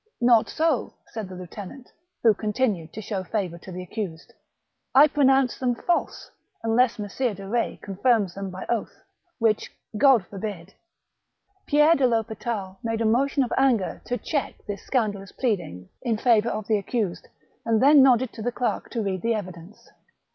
" Not so," said the lieutenant, who continued to show favour to the accused ; "I pronounce them false, unless Messire de Retz confirms them by oath, which God forbid !" Pierre de THospital made a motion of anger to check 15—2 228 THE BOOK OF WEBE WOLVES. this scandalous pleading in fiaToar of the accused, and then nodded to the clerk to read the evidence.